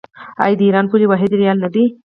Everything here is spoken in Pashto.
آیا د ایران پولي واحد ریال نه دی؟